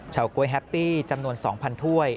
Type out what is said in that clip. ก๊วยแฮปปี้จำนวน๒๐๐ถ้วย